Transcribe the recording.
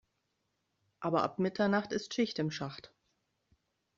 Aber ab Mitternacht ist Schicht im Schacht.